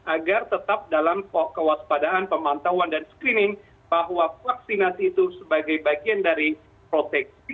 agar tetap dalam kewaspadaan pemantauan dan screening bahwa vaksinasi itu sebagai bagian dari proteksi